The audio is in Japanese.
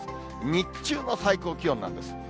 日中の最高気温なんです。